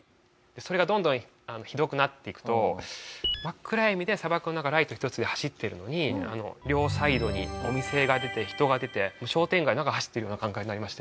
それがどんどんひどくなっていくと真っ暗闇で砂漠の中ライト１つで走ってるのに両サイドにお店が出て人が出て商店街の中を走っているような感覚になりまして。